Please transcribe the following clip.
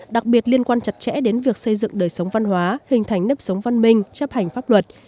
đặc biệt liên quan chặt chẽ đến việc xây dựng đời sống văn hóa hình thành nếp sống văn minh chấp hành pháp luật